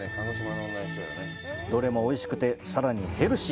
どれもおいしくて、さらにヘルシー！